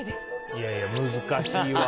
いやいや、難しいわ。